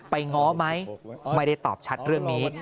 ง้อไหมไม่ได้ตอบชัดเรื่องนี้